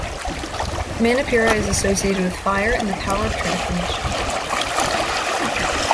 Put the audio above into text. Manipura is associated with fire and the power of transformation.